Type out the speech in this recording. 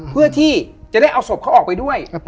เพื่อที่จะได้เอาศพเขาออกไปด้วย